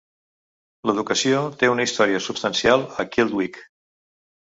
L'educació té una història substancial a Kildwick.